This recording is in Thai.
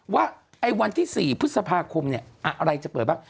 ว่าวันที่๔พฤษภาคมอะไรจะเปิดบ้าง